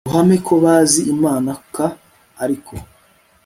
ruhame ko bazi Imana k ariko